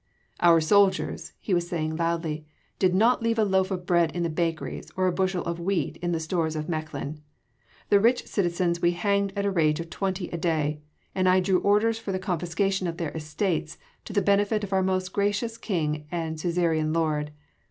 "Our soldiers," he was saying loudly, "did not leave a loaf of bread in the bakeries, or a bushel of wheat in the stores of Mechlin. The rich citizens we hanged at the rate of twenty a day, and I drew orders for the confiscation of their estates to the benefit of our Most Gracious King and suzerain Lord.